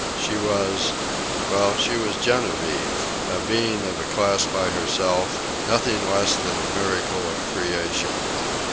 She was well, she was Genevieve, a being of a class by herself, nothing less than a miracle of creation.